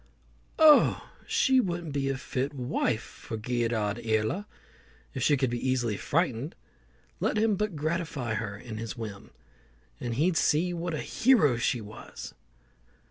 "Oh! she wouldn't be a fit wife for Gearoidh Iarla if she could be easily frightened. Let him but gratify her in this whim, and he'd see what a hero she was!"